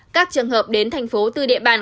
các trường hợp đến thành phố từ địa bàn